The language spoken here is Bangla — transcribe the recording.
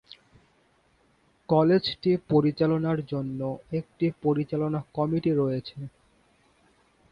কলেজটি পরিচালনার জন্য একটি পরিচালনা কমিটি রয়েছে।